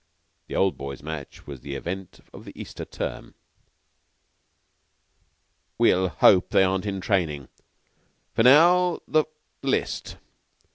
The Old Boys' match was the event of the Easter term. "We'll hope they aren't in training. Now for the list.